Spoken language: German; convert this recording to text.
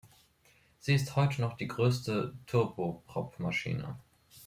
Sie ist heute noch die größte Turboprop-Maschine.